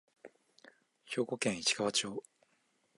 兵庫県市川町